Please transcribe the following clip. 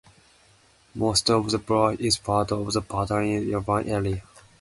Most of the borough is part of The Potteries Urban Area.